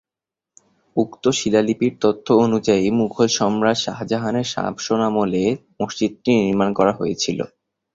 উক্ত শিলালিপির তথ্য অনুযায়ী, মুঘল সম্রাট শাহজাহানের শাসনামলে মসজিদটি নির্মাণ করা হয়েছিল।